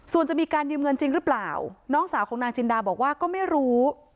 ส่วนจะมีการยืมเงินจริงหรือเปล่าน้องสาวของนางจินดาบอกว่าก็ไม่รู้